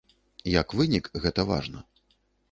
Як вынік гэта важна.